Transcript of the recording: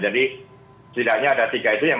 jadi setidaknya ada tiga itu yang